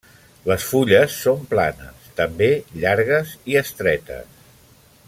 Les fulles són planes, també llargues i estretes.